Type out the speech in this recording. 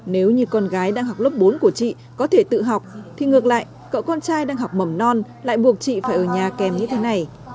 nếu như con gái đang học lớp bốn của chị có thể tự học thì ngược lại cậu con trai đang học mầm non lại buộc chị phải ở nhà kèm như thế này